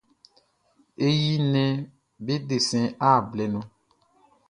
E yi nnɛnʼm be desɛn art blɛ nun.